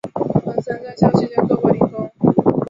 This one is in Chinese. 文森在校期间做过零工。